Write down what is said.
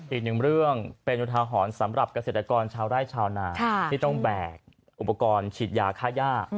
อีกหนึ่งเรื่องเป็นอุทาหรณ์สำหรับเกษตรกรชาวไร่ชาวนาที่ต้องแบกอุปกรณ์ฉีดยาค่าย่า